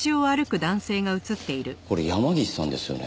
これ山岸さんですよね？